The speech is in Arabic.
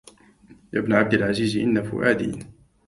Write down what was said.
يا ابن عبد العزيز إن فؤادي